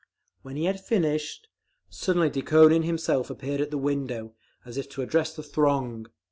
When he had finished, suddenly Dukhonin himself appeared at the window, as if to address the throng.